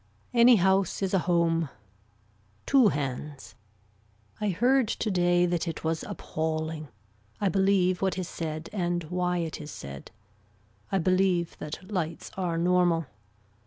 Any house is a home. Two hands. I heard today that it was appalling. I believe what is said and why it is said. I believe that lights are normal.